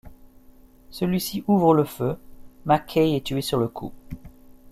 Celui-ci ouvre le feu, Mac Kay est tué sur le coup.